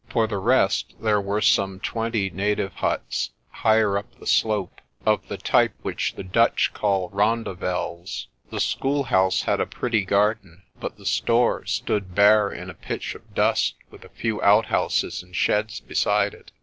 For the rest, there were some twenty native huts, higher up the slope, of the type which the Dutch call rondavels. The schoolhouse had a pretty garden, but the store stood bare in a pitch of dust with a few outhouses and sheds beside it.